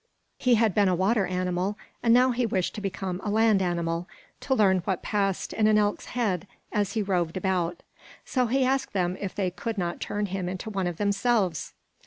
He had been a water animal and now he wished to become a land animal, to learn what passed in an elk's head as he roved about. So he asked them if they could not turn him into one of themselves.